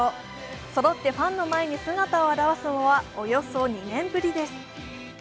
そろってファンの前に姿を現すのは、およそ２年ぶりです。